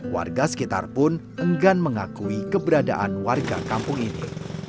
warga sekitar pun enggan mengakui keberadaan warga kampung ini